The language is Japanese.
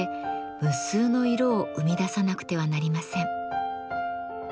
無数の色を生み出さなくてはなりません。